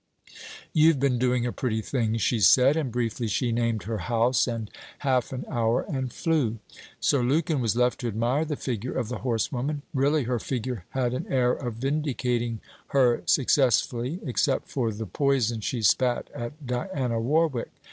'You've been doing a pretty thing!' she said, and briefly she named her house and half an hour, and flew. Sir Lukin was left to admire the figure of the horsewoman. Really, her figure had an air of vindicating her successfully, except for the poison she spat at Diana Warwick.